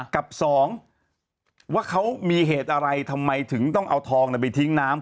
กับสองว่าเขามีเหตุอะไรทำไมถึงต้องเอาทองไปทิ้งน้ำ